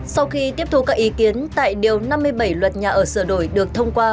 sau khi tiếp thu các ý kiến tại điều năm mươi bảy luật nhà ở sửa đổi được thông qua